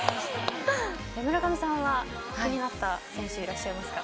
村上さんは気になった選手いらっしゃいますか？